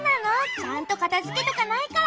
ちゃんとかたづけとかないから。